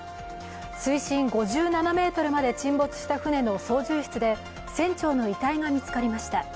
水深５７ｍまで沈没した船の操縦室で船長の遺体が見つかりました。